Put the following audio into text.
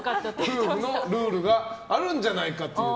夫婦のルールがあるんじゃないかと。